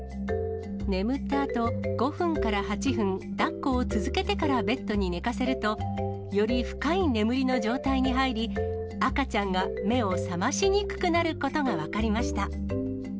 眠ったあと、５分から８分、だっこを続けてからベッドに寝かせると、より深い眠りの状態に入り、赤ちゃんが目を覚ましにくくなることが分かりました。